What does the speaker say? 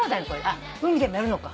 あっ海でもやるのか。